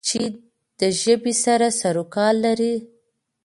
چې د ژبې سره سرو کار لری